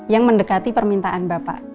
yang mendekati permintaan bapak